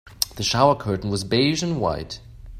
The shower curtain is beige and white.